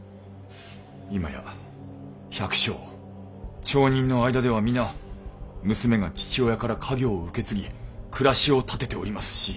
今や百姓町人の間では皆娘が父親から家業を受け継ぎ暮らしを立てておりますし。